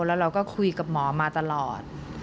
แล้วเราก็คุยกับหมอมาตลอด